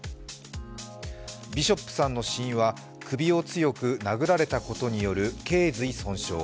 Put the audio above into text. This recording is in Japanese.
ビショップさんの死因は首を強く殴られたことによるけい髄損傷。